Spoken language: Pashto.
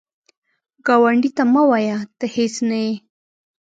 ګاونډي ته مه وایه “ته هیڅ نه یې”